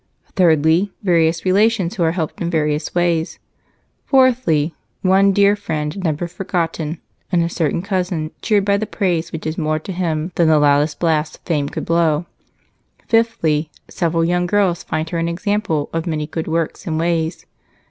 Thirdly, various relations who are helped in various ways. Fourthly, one dear friend never forgotten, and a certain cousin cheered by praise which is more to him than the loudest blast Fame could blow. Fifthly, several young girls find her an example of many good works and ways.